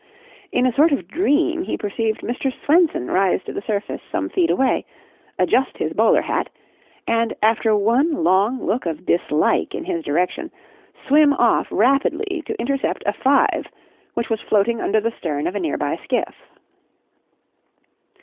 In a sort of dream he perceived Mr. Swenson rise to the surface some feet away, adjust his bowler hat, and, after one long look of dislike in his direction, swim off rapidly to intercept a five which was floating under the stern of a near by skiff.